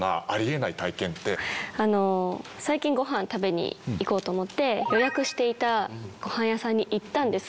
あの最近ご飯食べに行こうと思って予約していたご飯屋さんに行ったんです。